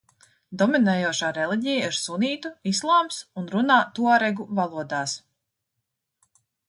Dominējošā reliģija ir sunnītu islāms un runā tuaregu valodās.